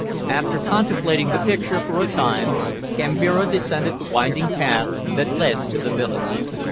After contemplating the picture for a time, Kambira descended the winding path that led to the village.